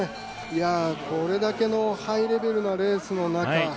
これだけのハイレベルなレースの中